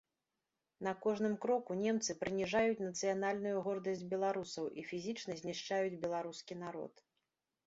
На кожным кроку немцы прыніжаюць нацыянальную гордасць беларусаў і фізічна знішчаюць беларускі народ.